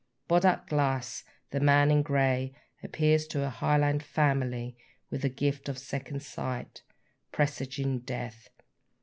] [Footnote 8: "Bodach Glas," the Man in Grey, appears to a Highland family with the gift of second sight, presaging death.